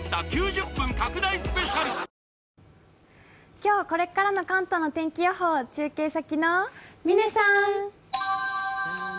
今日これからの関東の天気予報、中継先の嶺さん。